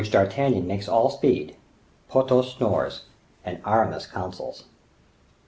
D'Artagnan makes all Speed, Porthos snores, and Aramis counsels.